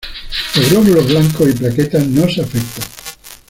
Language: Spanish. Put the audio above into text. Los glóbulos blancos y plaquetas no se afectan.